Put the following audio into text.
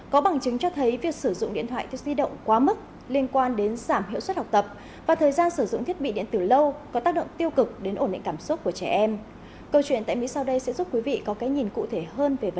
có bằng chứng cho thấy việc sử dụng điện thoại thiết di động quá mức liên quan đến giảm hiệu suất học tập và thời gian sử dụng thiết bị điện tử lâu có tác động tiêu cực đến ổn định cảm xúc của trẻ em